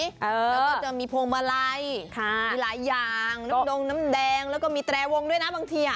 แล้วก็จะมีพวงมาลัยมีหลายอย่างน้ำดงน้ำแดงแล้วก็มีแตรวงด้วยนะบางที